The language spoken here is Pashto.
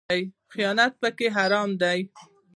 خیانت پکې حرام دی